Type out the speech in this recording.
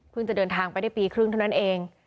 จะเดินทางไปได้ปีครึ่งเท่านั้นเอง